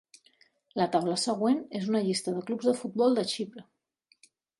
La taula següent és una llista de clubs de futbol de Xipre.